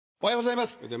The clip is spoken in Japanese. おはようございます。